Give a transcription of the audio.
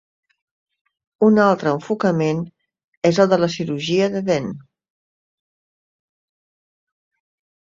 Un altre enfocament és el de la cirurgia de Dehn.